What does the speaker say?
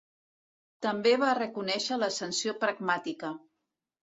També va reconèixer la sanció pragmàtica.